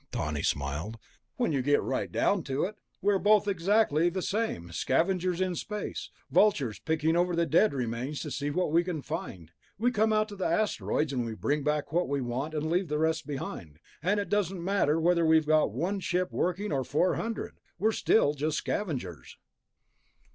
Tawney smiled. "When you get right down to it, we're both exactly the same thing ... scavengers in space, vultures picking over the dead remains to see what we can find. We come out to the asteroids, and we bring back what we want and leave the rest behind. And it doesn't matter whether we've got one ship working or four hundred ... we're still just scavengers."